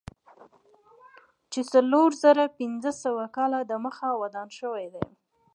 چې څلور زره پنځه سوه کاله دمخه ودان شوی دی.